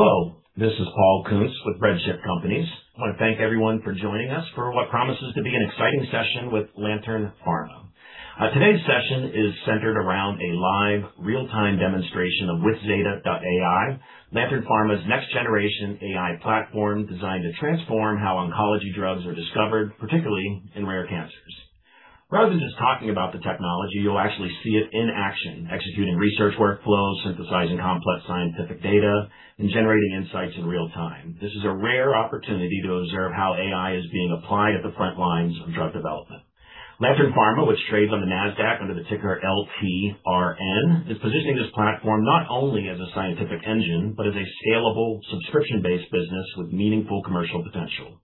Hello, this is Paul Kuntz with RedChip Companies. I want to thank everyone for joining us for what promises to be an exciting session with Lantern Pharma. Today's session is centered around a live real-time demonstration of withZeta.ai, Lantern Pharma's next generation AI platform designed to transform how oncology drugs are discovered, particularly in rare cancers. Rather than just talking about the technology, you'll actually see it in action, executing research workflows, synthesizing complex scientific data, and generating insights in real time. This is a rare opportunity to observe how AI is being applied at the front lines of drug development. Lantern Pharma, which trades on the Nasdaq under the ticker LTRN, is positioning this platform not only as a scientific engine, but as a scalable subscription-based business with meaningful commercial potential.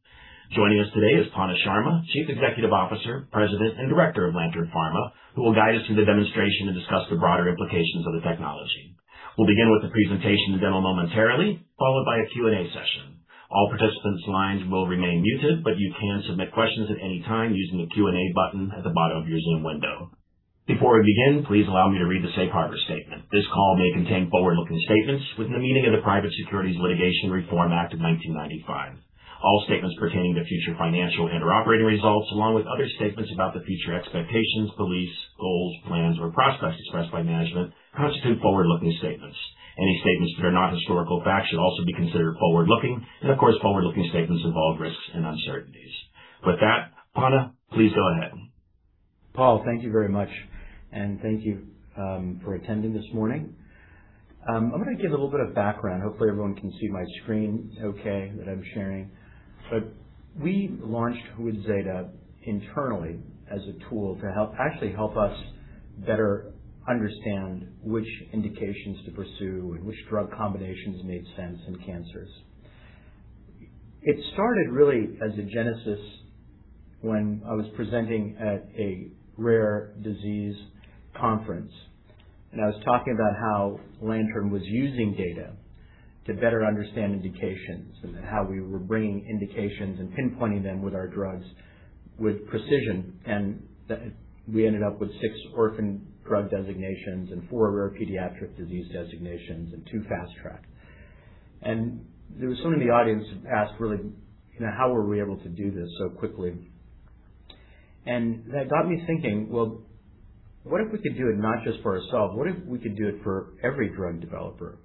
Joining us today is Panna Sharma, Chief Executive Officer, President, and Director of Lantern Pharma, who will guide us through the demonstration and discuss the broader implications of the technology. We'll begin with the presentation to demo momentarily, followed by a Q&A session. All participants lines will remain muted, but you can submit questions at any time using the Q&A button at the bottom of your Zoom window. Before we begin, please allow me to read the safe harbor statement. This call may contain forward-looking statements within the meaning of the Private Securities Litigation Reform Act of 1995. All statements pertaining to future financial and or operating results, along with other statements about the future expectations, beliefs, goals, plans, or prospects expressed by management, constitute forward-looking statements. Any statements that are not historical facts should also be considered forward-looking. Of course, forward-looking statements involve risks and uncertainties. With that, Panna, please go ahead. Paul, thank you very much, and thank you for attending this morning. I'm gonna give a little bit of background. Hopefully, everyone can see my screen okay that I'm sharing. We launched withZeta internally as a tool to actually help us better understand which indications to pursue and which drug combinations made sense in cancers. It started really as a genesis when I was presenting at a rare disease conference, and I was talking about how Lantern was using data to better understand indications and how we were bringing indications and pinpointing them with our drugs with precision, and that we ended up with six orphan drug designations and four rare pediatric disease designations and two fast track. There was someone in the audience who asked, really, you know, how were we able to do this so quickly? That got me thinking, well, what if we could do it not just for ourselves? What if we could do it for every drug developer?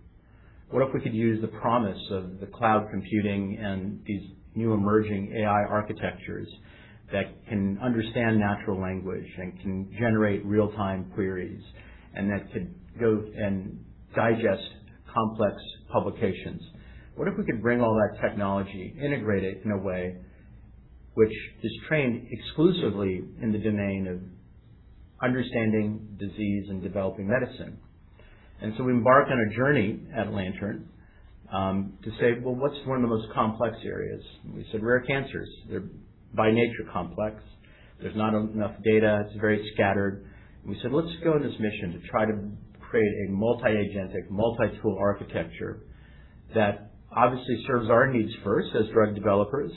What if we could use the promise of the cloud computing and these new emerging AI architectures that can understand natural language and can generate real-time queries and that could go and digest complex publications? What if we could bring all that technology, integrate it in a way which is trained exclusively in the domain of understanding disease and developing medicine? We embarked on a journey at Lantern to say, well, what's one of the most complex areas? We said rare cancers. They're by nature complex. There's not enough data. It's very scattered. We said, let's go on this mission to try to create a multi-agentic, multi-tool architecture that obviously serves our needs first as drug developers,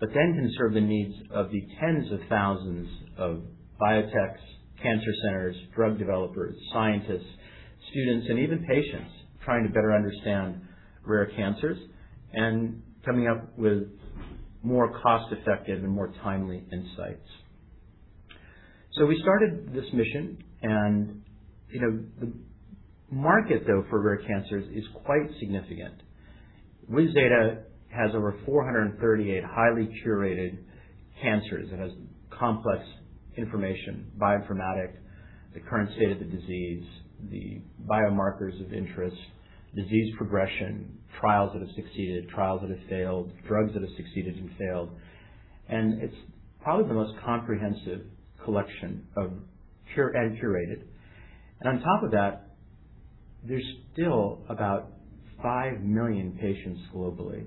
but then can serve the needs of the tens of thousands of biotechs, cancer centers, drug developers, scientists, students, and even patients trying to better understand rare cancers and coming up with more cost-effective and more timely insights. We started this mission. The market, though, for rare cancers is quite significant. withZeta has over 438 highly curated cancers. It has complex information, bioinformatic, the current state of the disease, the biomarkers of interest, disease progression, trials that have succeeded, trials that have failed, drugs that have succeeded and failed. It's probably the most comprehensive collection of curated. On top of that, there's still about 5 million patients globally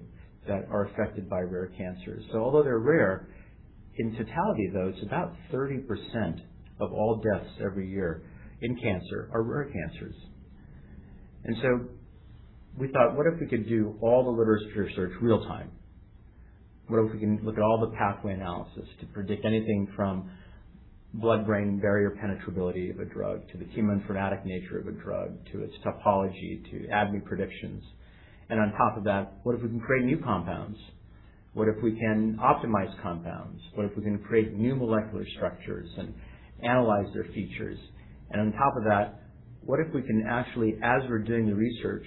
that are affected by rare cancers. Although they're rare, in totality, though, it's about 30% of all deaths every year in cancer are rare cancers. We thought, what if we could do all the literature search real-time? What if we can look at all the pathway analysis to predict anything from blood-brain barrier penetrability of a drug to the chemoinformatic nature of a drug, to its topology, to ADMET predictions? On top of that, what if we can create new compounds? What if we can optimize compounds? What if we can create new molecular structures and analyze their features? On top of that, what if we can actually, as we're doing the research,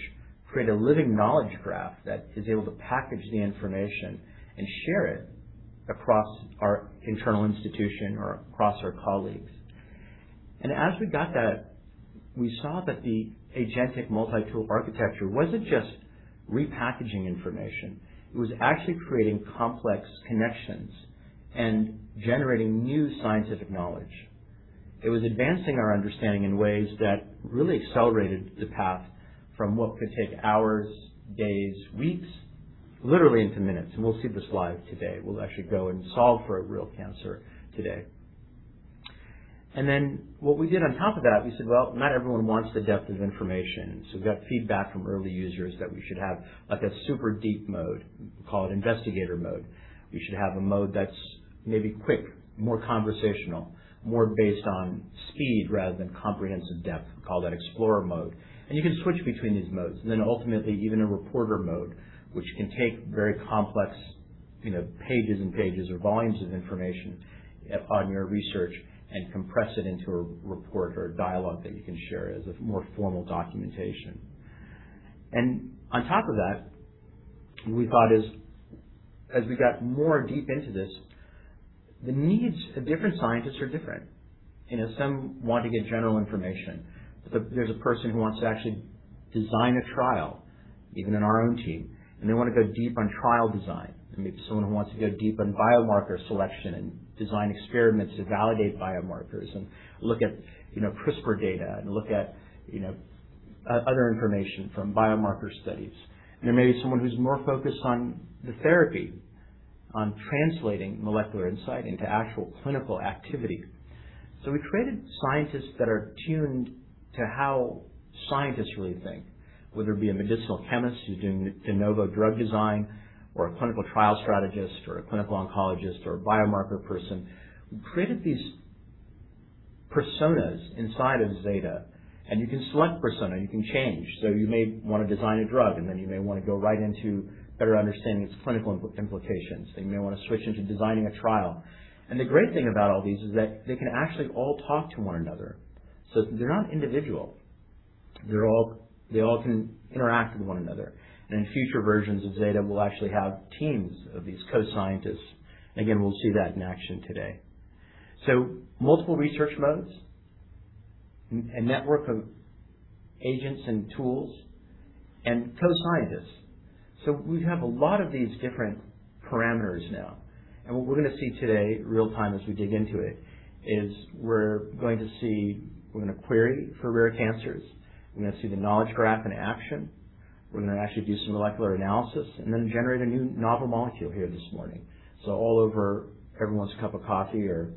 create a living knowledge graph that is able to package the information and share it across our internal institution or across our colleagues? As we got that, we saw that the agentic multi-tool architecture wasn't just repackaging information. It was actually creating complex connections and generating new scientific knowledge. It was advancing our understanding in ways that really accelerated the path from what could take hours, days, weeks, literally into minutes. We'll see this live today. We'll actually go and solve for a real cancer today. What we did on top of that, we said, well, not everyone wants the depth of information. We got feedback from early users that we should have like a super deep mode called investigator mode. We should have a mode that's maybe quick, more conversational, more based on speed rather than comprehensive depth. We call that explorer mode. You can switch between these modes. Ultimately, even a reporter mode, which can take very complex, you know, pages and pages or volumes of information on your research and compress it into a report or a dialogue that you can share as a more formal documentation. On top of that, we thought as we got more deep into this, the needs of different scientists are different. You know, some want to get general information. There's a person who wants to actually design a trial, even in our own team, and they wanna go deep on trial design. Maybe someone who wants to go deep on biomarker selection and design experiments to validate biomarkers and look at, you know, CRISPR data and look at, you know, other information from biomarker studies. There may be someone who's more focused on the therapy, on translating molecular insight into actual clinical activity. We created scientists that are tuned to how scientists really think, whether it be a medicinal chemist who's doing de novo drug design or a clinical trial strategist or a clinical oncologist or a biomarker person. We created these personas inside of withZeta, you can select persona, you can change. You may wanna design a drug, then you may wanna go right into better understanding its clinical implications. You may wanna switch into designing a trial. The great thing about all these is that they can actually all talk to one another. They're not individual. They all can interact with one another. In future versions of Zeta, we'll actually have teams of these co-scientists. Again, we'll see that in action today. Multiple research modes, a network of agents and tools, and co-scientists. We have a lot of these different parameters now. What we're gonna see today, real time as we dig into it, is we're gonna query for rare cancers. We're gonna see the knowledge graph in action. We're gonna actually do some molecular analysis and then generate a new novel molecule here this morning. All over everyone's cup of coffee or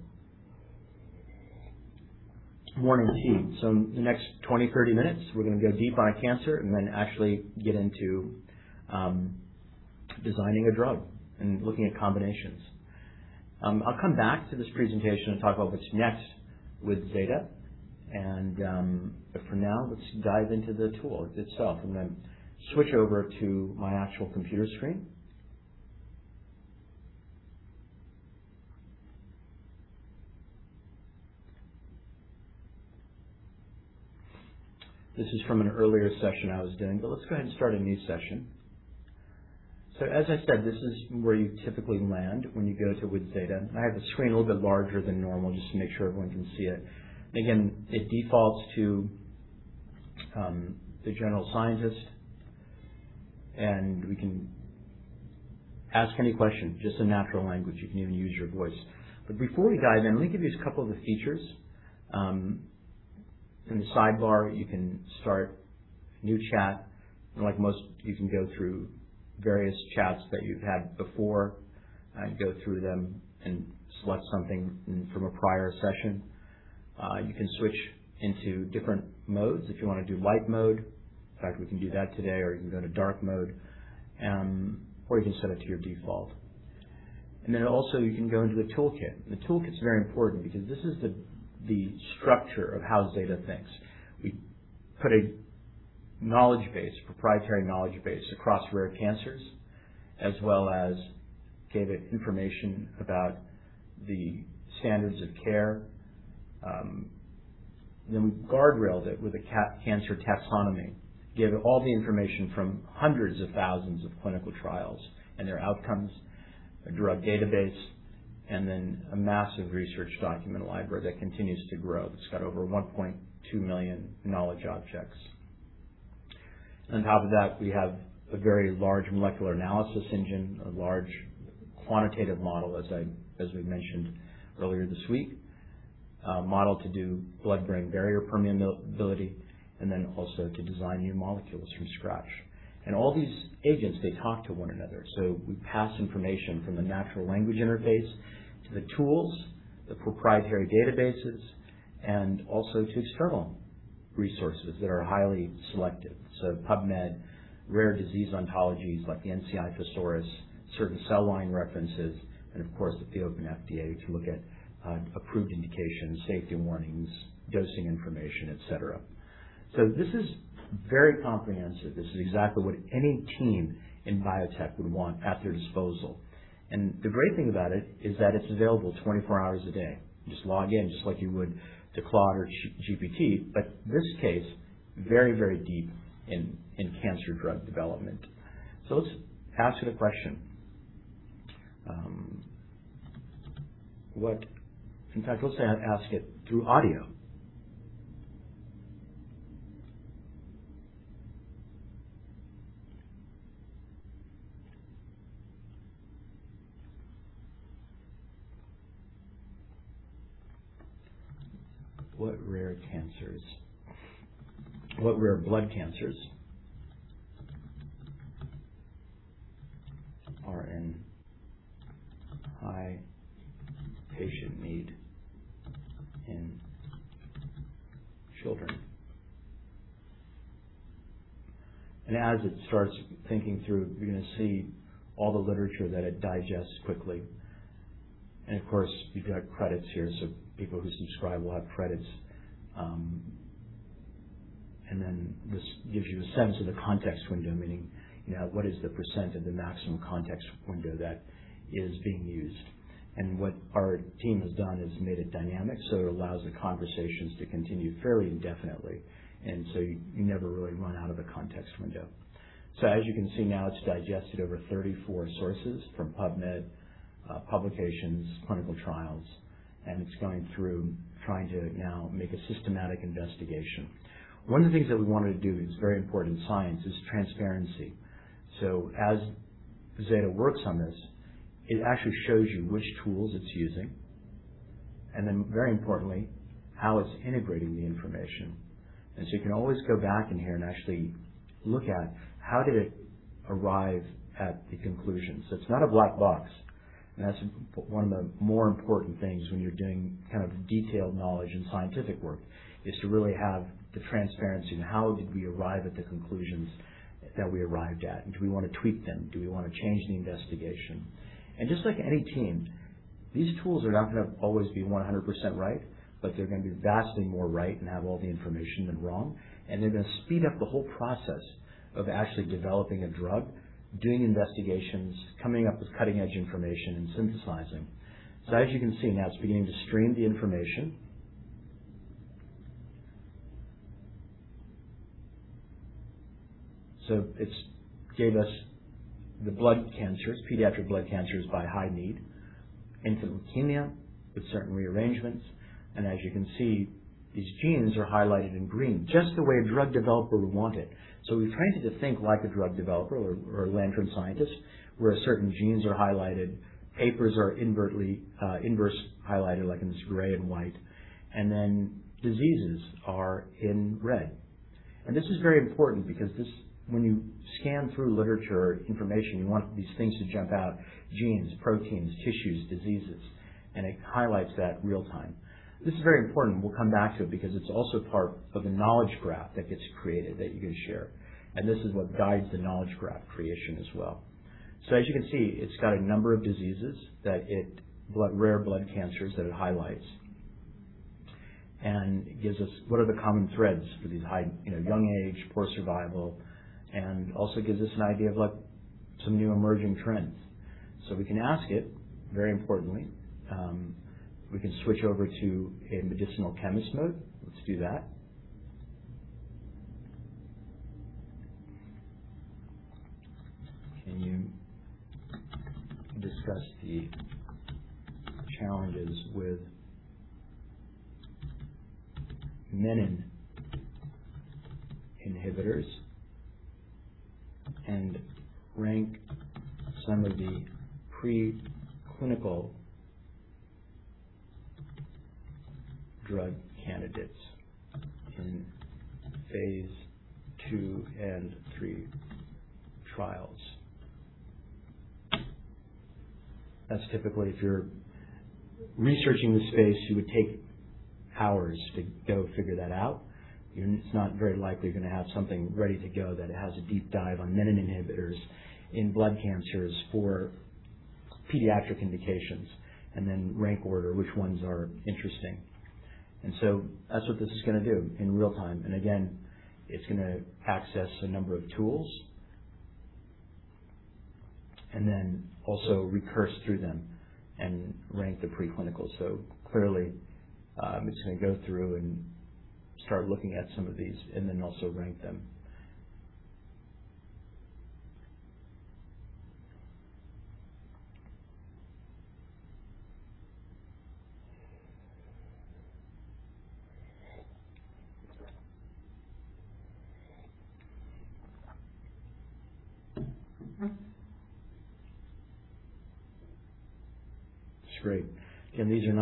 morning tea. In the next 20, 30 minutes, we're gonna go deep on cancer and then actually get into designing a drug and looking at combinations. I'll come back to this presentation and talk about what's next withZeta, for now, let's dive into the tool itself. I'm gonna switch over to my actual computer screen. This is from an earlier session I was doing, let's go ahead and start a new session. As I said, this is where you typically land when you go to withZeta. I have the screen a little bit larger than normal just to make sure everyone can see it. Again, it defaults to the general scientist, we can ask any question, just in natural language. You can even use your voice. Before we dive in, let me give you a couple of the features. In the sidebar, you can start new chat, like most, you can go through various chats that you've had before, go through them and select something from a prior session. You can switch into different modes. If you wanna do light mode, in fact, we can do that today, or you can go to dark mode, or you can set it to your default. You can go into the toolkit. The toolkit's very important because this is the structure of how Zeta thinks. We put a knowledge base, proprietary knowledge base across rare cancers, as well as gave it information about the standards of care. We guardrailed it with a cancer taxonomy, gave it all the information from hundreds of thousands of clinical trials and their outcomes, a drug database, a massive research document library that continues to grow. It's got over 1.2 million knowledge objects. On top of that, we have a very large molecular analysis engine, a large quantitative model as we mentioned earlier this week, a model to do blood-brain barrier permeability, also to design new molecules from scratch. All these agents, they talk to one another. We pass information from the natural language interface to the tools, the proprietary databases, also to external resources that are highly selective. PubMed, rare disease ontologies like the NCI Thesaurus, certain cell line references, and of course, the FDA to look at approved indications, safety warnings, dosing information, et cetera. This is very comprehensive. This is exactly what any team in biotech would want at their disposal. The great thing about it is that it's available 24 hours a day. Just log in just like you would to Claude or GPT, but this case very, very deep in cancer drug development. Let's ask it a question. In fact, let's ask it through audio. What rare blood cancers are in high patient need in children? As it starts thinking through, you're going to see all the literature that it digests quickly. Of course, you've got credits here, so people who subscribe will have credits. This gives you a sense of the context window, meaning, you know, what is the percent of the maximum context window that is being used. What our team has done is made it dynamic, so it allows the conversations to continue fairly indefinitely. You never really run out of a context window. As you can see now, it's digested over 34 sources from PubMed publications, clinical trials, and it's going through trying to now make a systematic investigation. One of the things that we wanted to do is very important in science is transparency. As Zeta works on this, it actually shows you which tools it's using and then very importantly, how it's integrating the information. You can always go back in here and actually look at how did it arrive at the conclusion. It's not a black box, and that's one of the more important things when you're doing kind of detailed knowledge and scientific work, is to really have the transparency in how did we arrive at the conclusions that we arrived at. Do we want to tweak them? Do we want to change the investigation? Just like any team, these tools are not gonna always be 100% right, but they're gonna be vastly more right and have all the information than wrong. They're gonna speed up the whole process of actually developing a drug, doing investigations, coming up with cutting-edge information and synthesizing. As you can see now, it's beginning to stream the information. It's gave us the blood cancers, pediatric blood cancers by high need, infant leukemia with certain rearrangements. As you can see, these genes are highlighted in green, just the way a drug developer would want it. We trained it to think like a drug developer or a Lantern scientist, where certain genes are highlighted, papers are inversely highlighted, like in this gray and white, and then diseases are in red. This is very important because when you scan through literature information, you want these things to jump out, genes, proteins, tissues, diseases, and it highlights that real time. This is very important, and we'll come back to it because it's also part of the knowledge graph that gets created that you can share. This is what guides the knowledge graph creation as well. As you can see, it's got a number of rare blood cancers that it highlights. It gives us what are the common threads for these high, you know, young age, poor survival, and also gives us an idea of like some new emerging trends. We can ask it, very importantly, we can switch over to a medicinal chemist mode. Let's do that. Can you discuss the challenges with Menin Inhibitors and rank some of the preclinical drug candidates in phase II and III trials? That's typically, if you're researching the space, you would take hours to go figure that out. It's not very likely you're gonna have something ready to go that has a deep dive on Menin Inhibitors in blood cancers for pediatric indications, and then rank order which ones are interesting. That's what this is gonna do in real-time. Again, it's gonna access a number of tools and then also recurse through them and rank the preclinical. Clearly, it's gonna go through and start looking at some of these and then also rank them.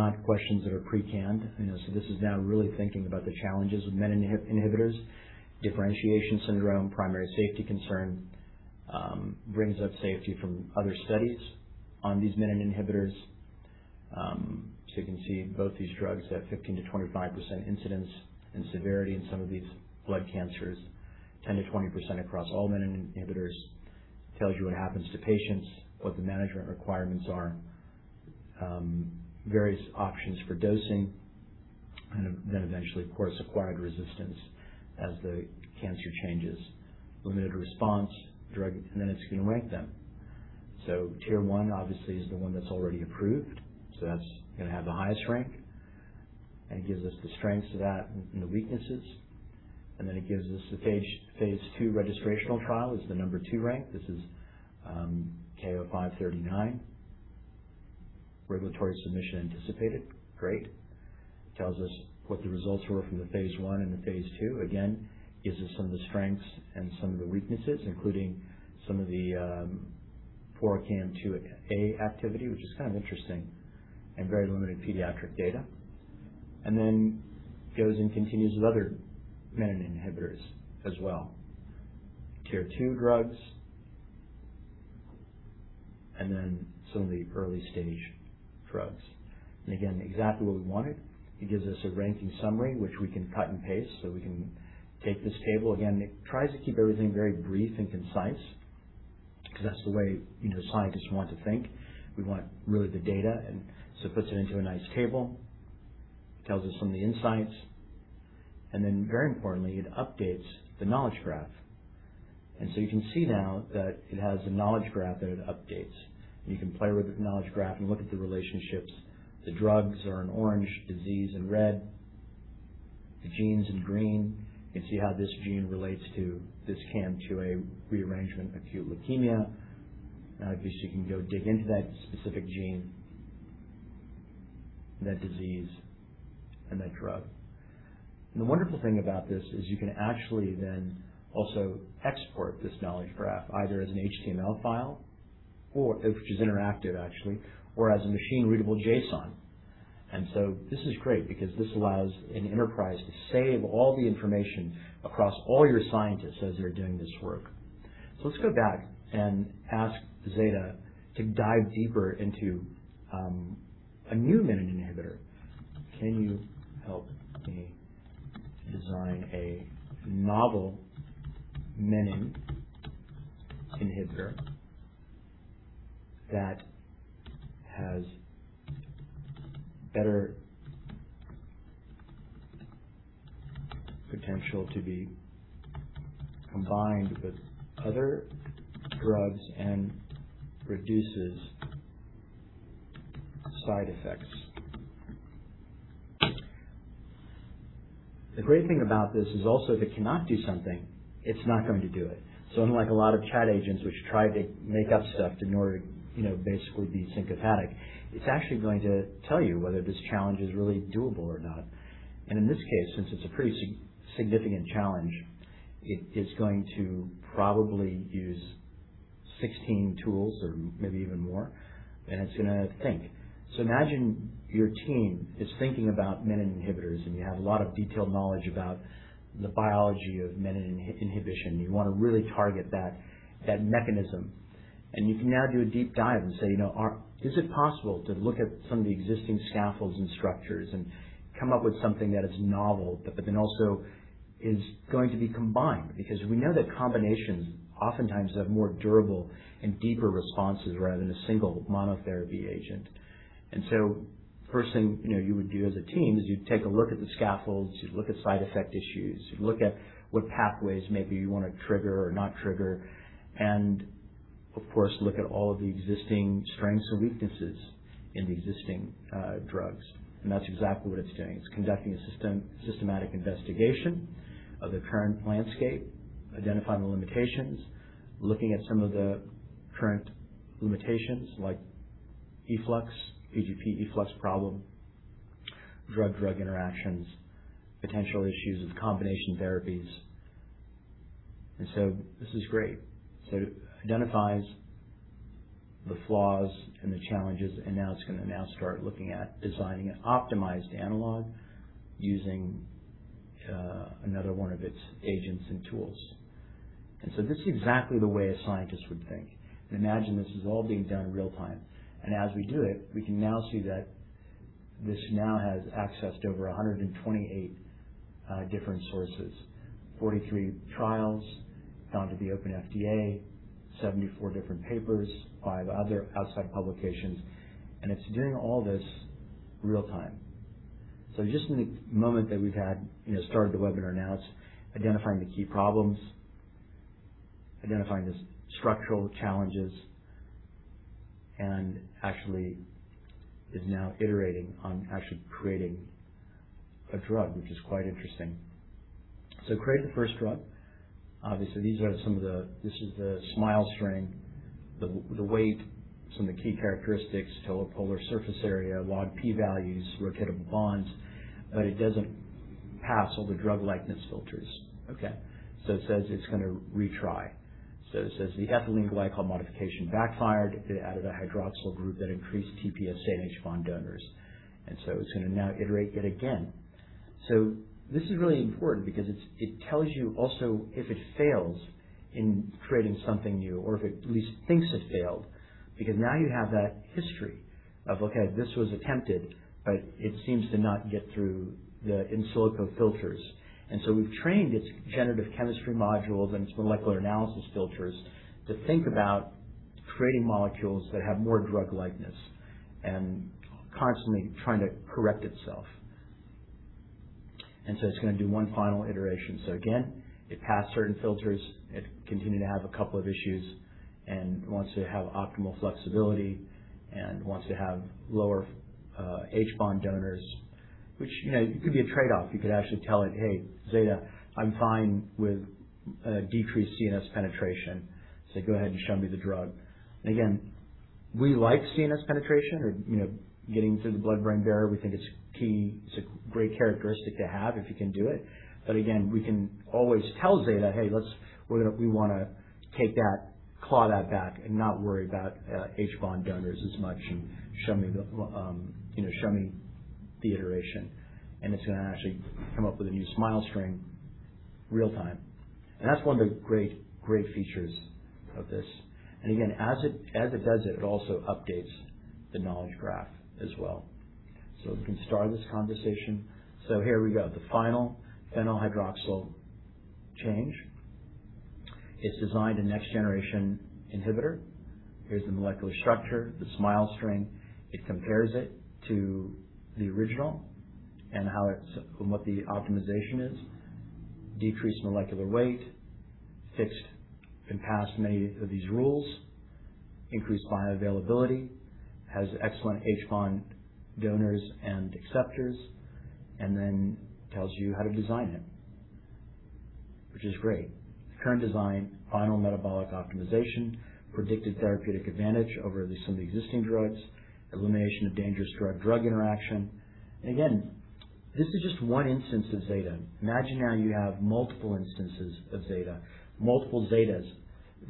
It's great. Again, these are not questions that are pre-canned, you know. This is now really thinking about the challenges with Menin Inhibitors, differentiation syndrome, primary safety concern, brings up safety from other studies on these Menin Inhibitors. You can see both these drugs have 15%-25% incidence and severity in some of these blood cancers. 10%-20% across all Menin Inhibitors. Tells you what happens to patients, what the management requirements are, various options for dosing, and then eventually, of course, acquired resistance as the cancer changes. Limited response. Then it's gonna rank them. Tier 1, obviously, is the one that's already approved, so that's gonna have the highest rank. It gives us the strengths of that and the weaknesses. Then it gives us the phase II registrational trial is the number two rank. This is KO-539. Regulatory submission anticipated. Great. It tells us what the results were from the phase I and the phase II. Again, gives us some of the strengths and some of the weaknesses, including some of the poor KMT2A activity, which is kind of interesting, and very limited pediatric data. Then goes and continues with other Menin Inhibitors as well. Tier two drugs. Then some of the early stage drugs. Again, exactly what we wanted. It gives us a ranking summary which we can cut and paste, so we can take this table. Again, it tries to keep everything very brief and concise because that's the way, you know, scientists want to think. We want really the data. It puts it into a nice table. It tells us some of the insights. Very importantly, it updates the knowledge graph. You can see now that it has a knowledge graph that it updates, and you can play with the knowledge graph and look at the relationships. The drugs are in orange, disease in red, the genes in green. You can see how this gene relates to this KMT2A rearrangement acute leukemia. Obviously, you can go dig into that specific gene, that disease, and that drug. The wonderful thing about this is you can actually then also export this knowledge graph either as an HTML file which is interactive actually, or as a machine-readable JSON. This is great because this allows an enterprise to save all the information across all your scientists as they're doing this work. Let's go back and ask withZeta to dive deeper into a new menin inhibitor. Can you help me design a novel menin inhibitor that has better potential to be combined with other drugs and reduces side effects? The great thing about this is also if it cannot do something, it's not going to do it. Unlike a lot of chat agents which try to make up stuff in order, you know, basically be sympathetic, it's actually going to tell you whether this challenge is really doable or not. In this case, since it's a pretty significant challenge, it's going to probably use 16 tools or maybe even more, and it's gonna think. Imagine your team is thinking about Menin Inhibitors, you have a lot of detailed knowledge about the biology of menin inhibition. You wanna really target that mechanism. You can now do a deep dive and say, you know, is it possible to look at some of the existing scaffolds and structures and come up with something that is novel, but then also is going to be combined? We know that combinations oftentimes have more durable and deeper responses rather than a single monotherapy agent. First thing, you know, you would do as a team is you'd take a look at the scaffolds, you'd look at side effect issues, you'd look at what pathways maybe you wanna trigger or not trigger, and of course, look at all of the existing strengths and weaknesses in the existing drugs. That's exactly what it's doing. It's conducting a systematic investigation of the current landscape, identifying the limitations, looking at some of the current limitations like efflux, PGP efflux problem, drug-drug interactions, potential issues with combination therapies. This is great. It identifies the flaws and the challenges, now it's gonna now start looking at designing an optimized analog using another one of its agents and tools. This is exactly the way a scientist would think. Imagine this is all being done in real time. As we do it, we can now see that this now has accessed over 128 different sources. 43 trials down to the openFDA, 74 different papers, five other outside publications, and it's doing all this real time. Just in the moment that we've had, you know, started the webinar, now it's identifying the key problems, identifying the structural challenges, and actually is now iterating on actually creating a drug, which is quite interesting. Create the first drug. Obviously, this is the SMILES string, the weight, some of the key characteristics, topological polar surface area, logP values, rotatable bonds, but it doesn't pass all the drug likeness filters. Okay. It says it's gonna retry. It says the ethylene glycol modification backfired. It added a hydroxyl group that increased TPSA H-bond donors. It's gonna now iterate yet again. This is really important because it tells you also if it fails in creating something new or if it at least thinks it failed, because now you have that history of, okay, this was attempted, but it seems to not get through the in silico filters. We've trained its generative chemistry modules and its molecular analysis filters to think about creating molecules that have more drug likeness and constantly trying to correct itself. It's gonna do one final iteration. Again, it passed certain filters. It continued to have two issues and wants to have optimal flexibility and wants to have lower H-bond donors, which, you know, it could be a trade-off. You could actually tell it, "Hey, Zeta, I'm fine with decreased CNS penetration," so go ahead and show me the drug. Again, we like CNS penetration or, you know, getting through the blood-brain barrier. We think it's key. It's a great characteristic to have if you can do it. Again, we can always tell Zeta, "Hey, we wanna take that, claw that back and not worry about H-bond donors as much and show me the, you know, show me the iteration." It's gonna actually come up with a new SMILES string. Real time. That's one of the great features of this. Again, as it does it also updates the knowledge graph as well. We can start this conversation. Here we go. The final phenol hydroxyl change. It's designed a next-generation inhibitor. Here's the molecular structure, the SMILES string. It compares it to the original and how from what the optimization is. Decreased molecular weight, fixed and passed many of these rules, increased bioavailability, has excellent H-bond donors and acceptors, then tells you how to design it, which is great. Current design, final metabolic optimization, predicted therapeutic advantage over some of the existing drugs, elimination of dangerous drug-drug interaction. Again, this is just one instance of Zeta. Imagine how you have multiple instances of Zeta, multiple Zetas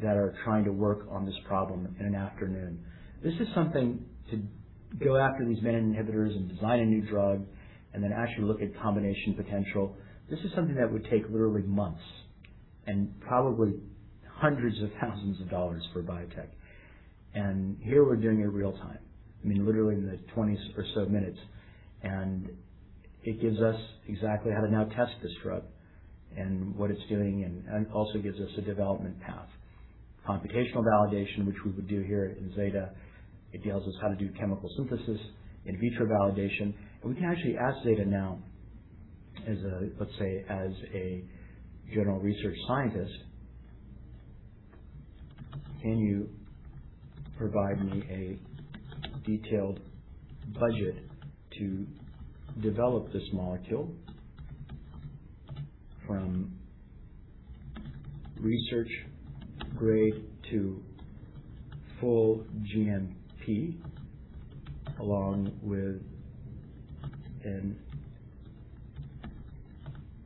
that are trying to work on this problem in an afternoon. This is something to go after these Menin Inhibitors and design a new drug, then actually look at combination potential. This is something that would take literally months and probably hundreds of thousands of dollars for biotech. Here we're doing it real-time. I mean, literally in the 20 or so minutes. It gives us exactly how to now test this drug and what it's doing, and also gives us a development path. Computational validation, which we would do here in withZeta. It tells us how to do chemical synthesis, in vitro validation. We can actually ask withZeta now as a, let's say, as a general research scientist, "Can you provide me a detailed budget to develop this molecule from research grade to full GMP, along with an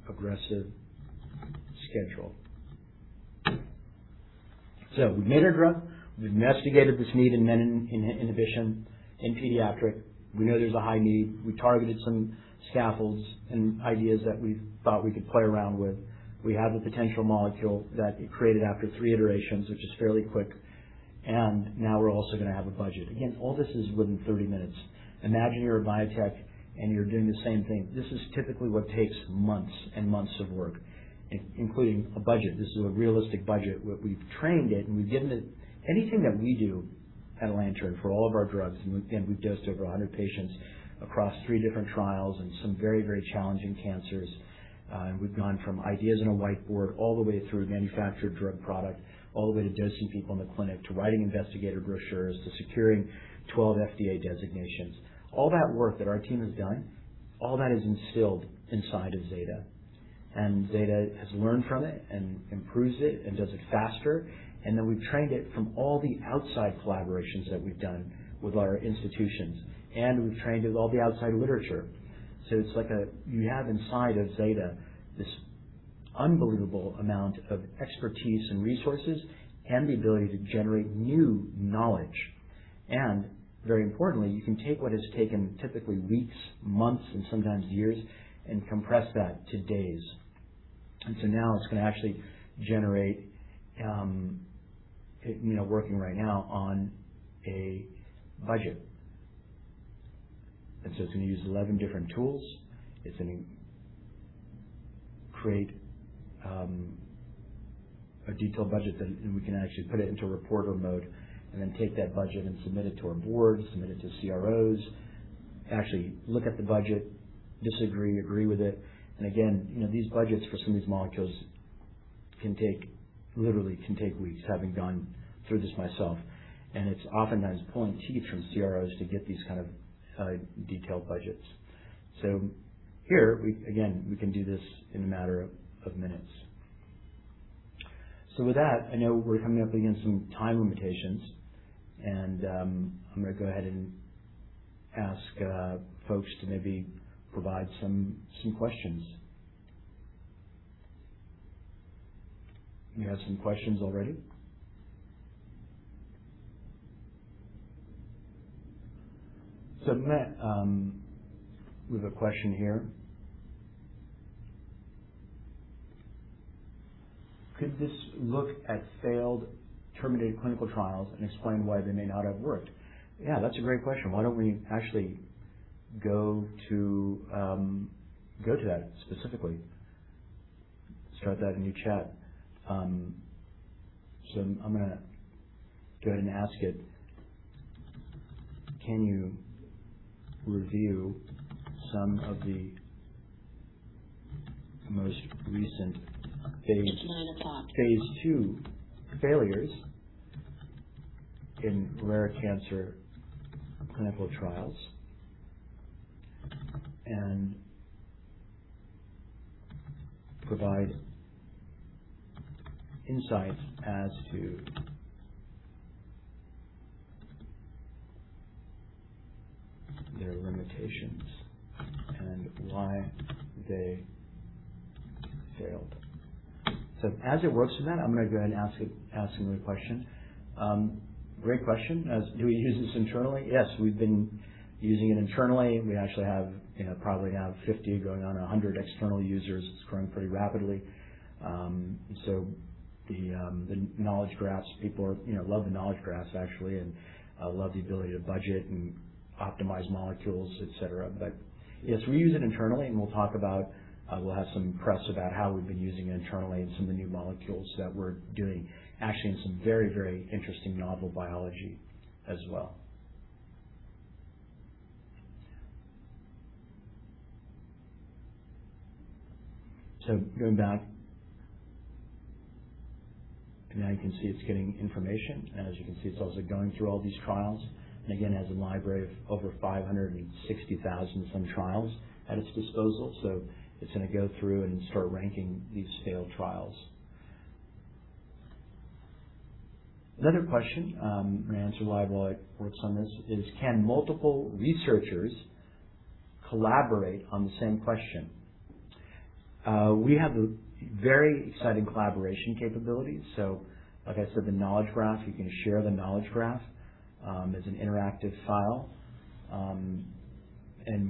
aggressive schedule?" We've made a drug. We've investigated this need in menin inhibition in pediatric. We know there's a high need. We targeted some scaffolds and ideas that we thought we could play around with. We have the potential molecule that it created after three iterations, which is fairly quick. Now we're also gonna have a budget. Again, all this is within 30 minutes. Imagine you're a biotech and you're doing the same thing. This is typically what takes months and months of work, including a budget. This is a realistic budget. We've trained it, and we've given it anything that we do at Lantern for all of our drugs, and we've dosed over 100 patients across three different trials and some very, very challenging cancers. We've gone from ideas on a whiteboard all the way through a manufactured drug product, all the way to dosing people in the clinic, to writing investigator brochures, to securing 12 FDA designations. All that work that our team has done, all that is instilled inside of Zeta. Zeta has learned from it and improves it and does it faster. We've trained it from all the outside collaborations that we've done with our institutions, and we've trained it with all the outside literature. It's like you have inside of Zeta this unbelievable amount of expertise and resources and the ability to generate new knowledge. Very importantly, you can take what has taken typically weeks, months, and sometimes years and compress that to days. Now it's gonna actually generate, you know, working right now on a budget. It's gonna use 11 different tools. It's gonna create a detailed budget and we can actually put it into reporter mode and then take that budget and submit it to our board, submit it to CROs, actually look at the budget, disagree, agree with it. Again, you know, these budgets for some of these molecules can take, literally can take weeks, having gone through this myself. It's oftentimes pulling teeth from CROs to get these kind of detailed budgets. Here we, again, can do this in a matter of minutes. With that, I know we're coming up against some time limitations, and I'm gonna go ahead and ask folks to maybe provide some questions. We have some questions already. I'm gonna, we have a question here. "Could this look at failed terminated clinical trials and explain why they may not have worked?" Yeah, that's a great question. Why don't we actually go to that specifically? Start that in a new chat. I'm gonna go ahead and ask it. Can you review some of the most recent phase II failures in rare cancer clinical trials and provide insights as to their limitations and why they failed? As it works on that, I'm going to go ahead and ask another question. Great question. Do we use this internally? Yes, we've been using it internally. We actually have, you know, probably now 50 going on 100 external users. It's growing pretty rapidly. The knowledge graphs, people, you know, love the knowledge graphs actually, and love the ability to budget and optimize molecules, et cetera. Yes, we use it internally, and we'll talk about, we'll have some press about how we've been using it internally and some of the new molecules that we're doing, actually in some very, very interesting novel biology as well. Going back. Now you can see it's getting information, and as you can see, it's also going through all these trials, and again, has a library of over 560,000 some trials at its disposal. Another question, I'm gonna answer while it works on this is: Can multiple researchers collaborate on the same question? We have a very exciting collaboration capability. Like I said, the knowledge graph, you can share the knowledge graph as an interactive file.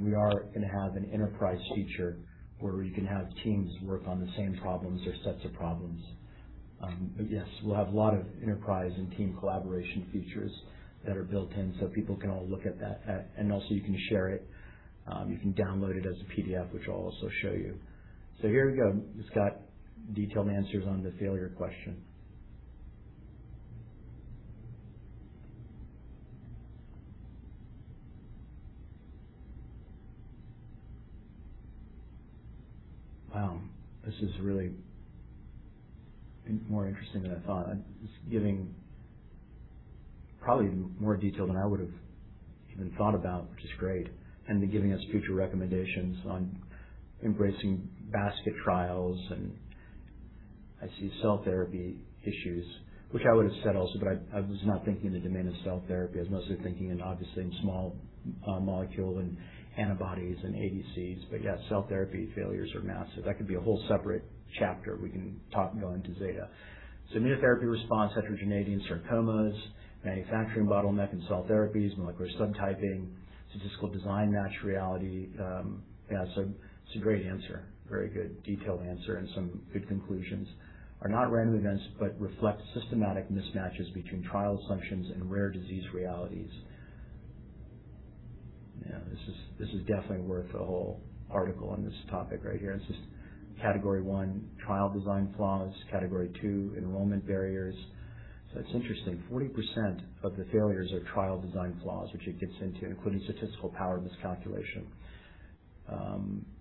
We are gonna have an enterprise feature where you can have teams work on the same problems or sets of problems. Yes, we'll have a lot of enterprise and team collaboration features that are built in, so people can all look at that. Also you can share it. You can download it as a PDF, which I'll also show you. Here we go. It's got detailed answers on the failure question. Wow, this is really more interesting than I thought. It's giving probably even more detail than I would've even thought about, which is great. And giving us future recommendations on embracing basket trials, and I see cell therapy issues, which I would've said also, but I was not thinking in the domain of cell therapy. I was mostly thinking in, obviously, in small molecule and antibodies and ADCs. Yeah, cell therapy failures are massive. That could be a whole separate chapter we can talk and go into Zeta. Immunotherapy response, heterogeneity in sarcomas, manufacturing bottleneck in cell therapies, molecular subtyping, statistical design match reality. It's a great answer. Very good, detailed answer, and some good conclusions. Are not random events, but reflect systematic mismatches between trial assumptions and rare disease realities. This is definitely worth a whole article on this topic right here. This is category one trial design flaws. Category two, enrollment barriers. It's interesting. 40% of the failures are trial design flaws, which it gets into, including statistical power miscalculation.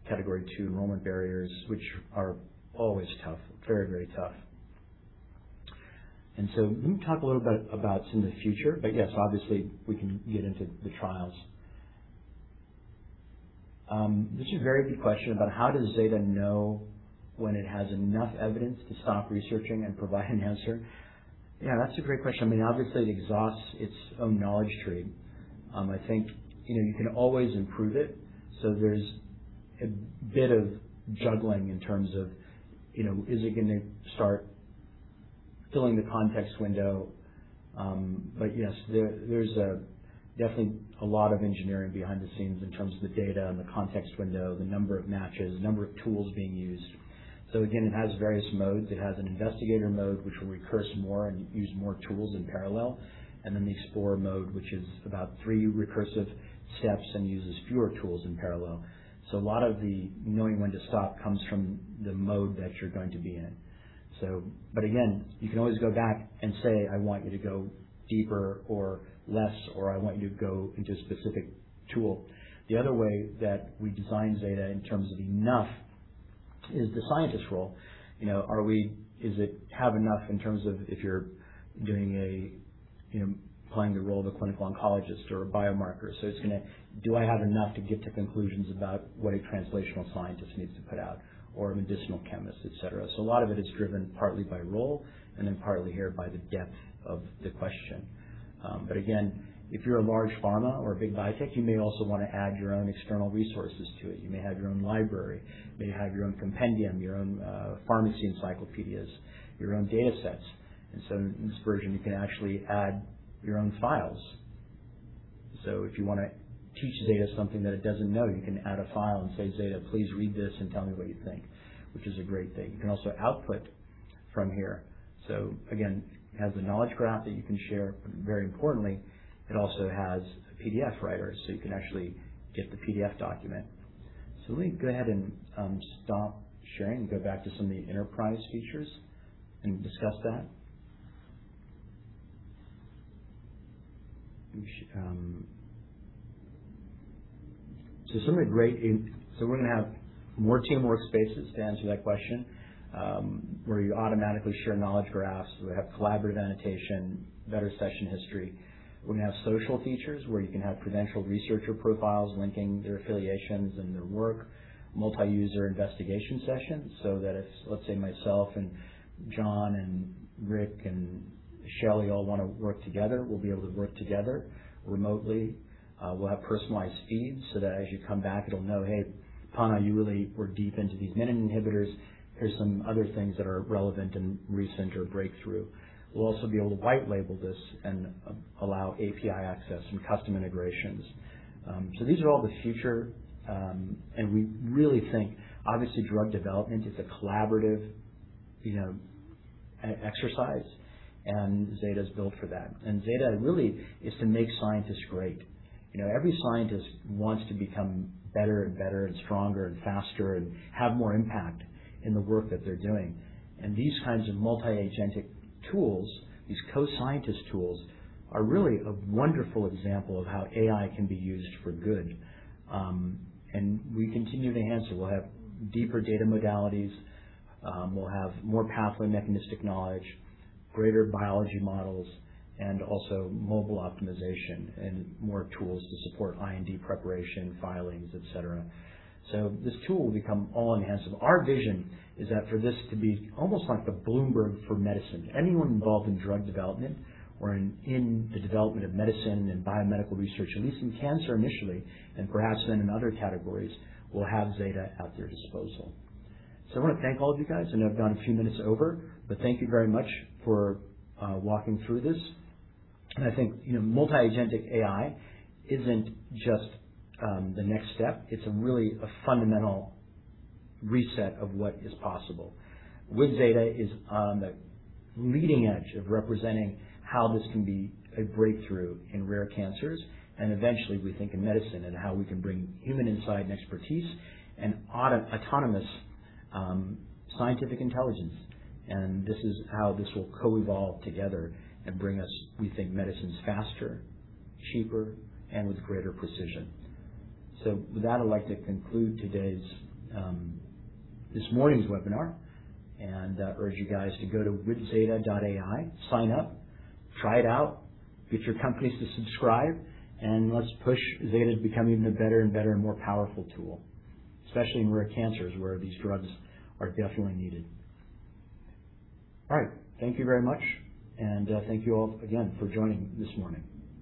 Category two, enrollment barriers, which are always tough. Very tough. Let me talk a little bit about some of the future. Yes, obviously, we can get into the trials. This is a very good question about how does withZeta know when it has enough evidence to stop researching and provide an answer? Yeah, that's a great question. I mean, obviously, it exhausts its own knowledge tree. I think, you know, you can always improve it, so there's a bit of juggling in terms of, you know, is it gonna start filling the context window? Yes, there's definitely a lot of engineering behind the scenes in terms of the data and the context window, the number of matches, the number of tools being used. Again, it has various modes. It has an investigator mode, which will recurse more and use more tools in parallel, and then the explorer mode, which is about three recursive steps and uses fewer tools in parallel. A lot of the knowing when to stop comes from the mode that you're going to be in. Again, you can always go back and say, "I want you to go deeper or less," or, "I want you to go into a specific tool." The other way that we designed Zeta in terms of enough is the scientist role. You know, does it have enough in terms of if you're doing a, you know, playing the role of a clinical oncologist or a biomarker? Do I have enough to get to conclusions about what a translational scientist needs to put out or a medicinal chemist, et cetera? A lot of it is driven partly by role and then partly here by the depth of the question. Again, if you're a large pharma or a big biotech, you may also want to add your own external resources to it. You may have your own library. You may have your own compendium, your own pharmacy encyclopedias, your own datasets. In this version, you can actually add your own files. If you want to teach withZeta something that it does not know, you can add a file and say, "withZeta, please read this and tell me what you think," which is a great thing. You can also output from here. Again, it has the knowledge graph that you can share, but very importantly, it also has a PDF writer, so you can actually get the PDF document. Let me go ahead and stop sharing and go back to some of the enterprise features and discuss that. We're gonna have more team workspaces to answer that question, where you automatically share knowledge graphs. We have collaborative annotation, better session history. We're gonna have social features where you can have credentialed researcher profiles linking their affiliations and their work. Multi-user investigation sessions, so that if, let's say, myself and John and Rick and Shelly all wanna work together, we'll be able to work together remotely. We'll have personalized feeds so that as you come back, it'll know, hey-Panna, you really were deep into these MEK inhibitors. Here's some other things that are relevant and recent or breakthrough. We'll also be able to white label this and allow API access and custom integrations. These are all the future, and we really think obviously drug development is a collaborative, you know, e-exercise, and Zeta's built for that. withZeta really is to make scientists great. You know, every scientist wants to become better and better and stronger and faster and have more impact in the work that they're doing. These kinds of multi-agentic tools, these co-scientist tools, are really a wonderful example of how AI can be used for good. We continue to enhance it. We'll have deeper data modalities, we'll have more pathway mechanistic knowledge, greater biology models, and also mobile optimization and more tools to support IND preparation, filings, et cetera. This tool will become all-enhancing. Our vision is that for this to be almost like the Bloomberg for medicine, anyone involved in drug development or in the development of medicine and biomedical research, at least in cancer initially, and perhaps then in other categories, will have withZeta at their disposal. I wanna thank all of you guys, I know I've gone a few minutes over, but thank you very much for walking through this. I think, you know, multi-agentic AI isn't just the next step, it's a really a fundamental reset of what is possible. withZeta is on the leading edge of representing how this can be a breakthrough in rare cancers, and eventually we think in medicine, and how we can bring human insight and expertise and autonomous scientific intelligence. This is how this will co-evolve together and bring us, we think, medicines faster, cheaper, and with greater precision. With that, I'd like to conclude today's this morning's webinar and urge you guys to go to withZeta.ai, sign up, try it out, get your companies to subscribe, and let's push Zeta to become even a better and better and more powerful tool, especially in rare cancers where these drugs are definitely needed. All right. Thank you very much, and thank you all again for joining this morning.